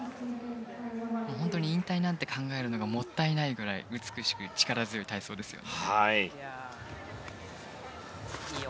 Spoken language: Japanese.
引退なんて考えるのがもったいないぐらい美しく力強い体操ですね。